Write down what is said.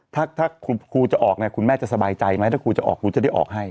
ถ้าครูจะออกเนี่ยคุณแม่จะสบายใจไหมถ้าครูจะออกครูจะได้ออกให้